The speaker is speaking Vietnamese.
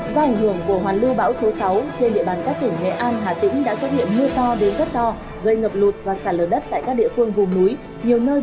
do ảnh hưởng của hoàn lưu bão số sáu trên địa bàn các tỉnh nghệ an hà tĩnh đã xuất hiện mưa to đến rất to